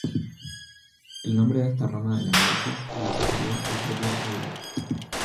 El nombre de esta rama del análisis la sugirió el propio Euler.